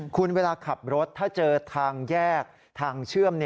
คุณเวลาขับรถถ้าเจอทางแยกทางเชื่อม